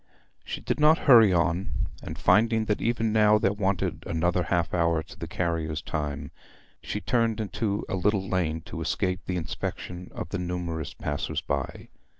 She did not hurry on; and finding that even now there wanted another half hour to the carrier's time, she turned into a little lane to escape the inspection of the numerous passers by.